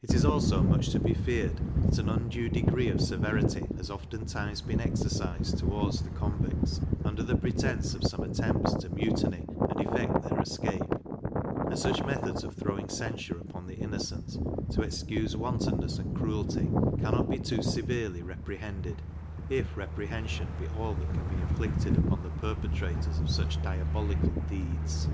It is also much to be feared that an undue degree of severity has oftentimes been exercised towards the convicts, under the pretence of some attempts to mutiny and effect their escape, and such methods of throwing censure upon the innocent, to excuse wantonness and cruelty, cannot be too severely reprehended, if reprehension be all that can be inflicted upon the perpetrators of such diabolical deeds.